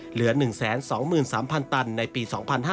เหลือ๑๒๓๐๐ตันในปี๒๕๕๙